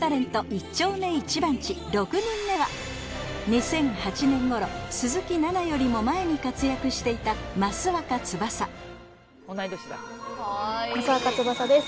一丁目一番地６人目は２００８年頃鈴木奈々よりも前に活躍していた益若つばさ益若つばさです